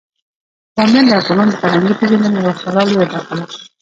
بامیان د افغانانو د فرهنګي پیژندنې یوه خورا لویه برخه ده.